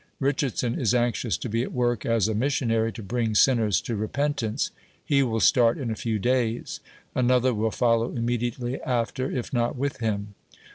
Richardson is anxious to be at work as a missionary to bring sinners to repentance. He will start in a few days. Another will follow immediately after, if not with him.